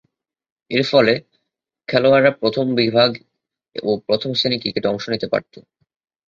এরফলে, খেলোয়াড়েরা প্রথম বিভাগ ও প্রথম-শ্রেণীর ক্রিকেটে অংশ নিতে পারতো।